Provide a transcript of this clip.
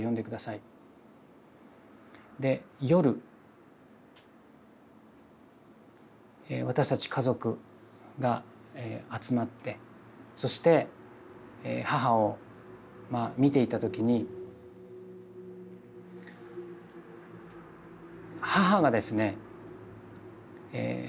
で夜私たち家族が集まってそして母を見ていた時に母がですね